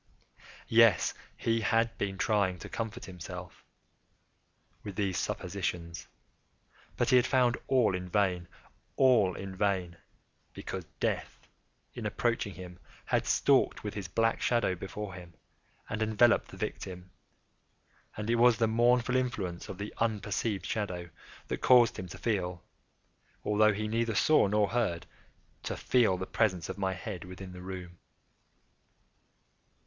Yes, he had been trying to comfort himself with these suppositions: but he had found all in vain. All in vain; because Death, in approaching him had stalked with his black shadow before him, and enveloped the victim. And it was the mournful influence of the unperceived shadow that caused him to feel—although he neither saw nor heard—to feel the presence of my head within the room.